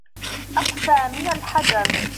أقسى من الحجر